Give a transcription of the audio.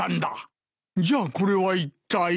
じゃあこれはいったい？